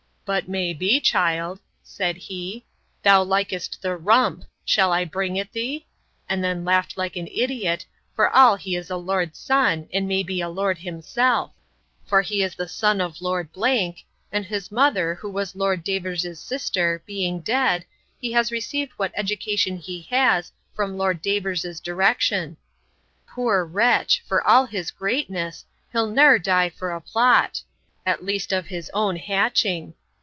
But may be, child, said he, thou likest the rump; shall I bring it thee? And then laughed like an idiot, for all he is a lord's son, and may be a lord himself.—For he is the son of Lord ——; and his mother, who was Lord Davers's sister, being dead, he has received what education he has, from Lord Davers's direction. Poor wretch! for all his greatness! he'll ne'er die for a plot—at least of his own hatching.